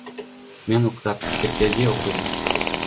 Мен уктап, китептерди окуйм.